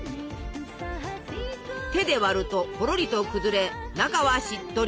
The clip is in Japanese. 手で割るとほろりと崩れ中はしっとり。